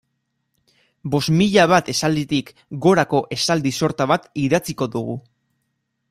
Bost mila bat esalditik gorako esaldi sorta bat idatziko dugu.